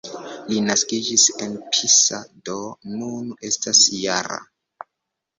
Li naskiĝis en Pisa, do nun estas -jara.